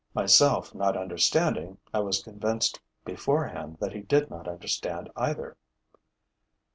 Myself not understanding, I was convinced beforehand that he did not understand either.